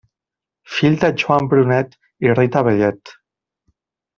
Fill de Joan Brunet i Rita Bellet.